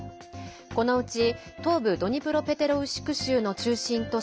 このうち東部ドニプロペトロウシク州の中心都市